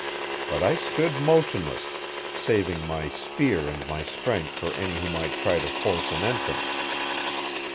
But I stood motionless, saving my spear and my strength for any who might try to force an entrance.